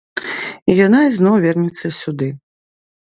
І яна ізноў вернецца сюды.